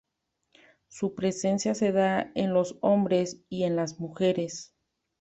Su presencia se da en los hombres y en las mujeres.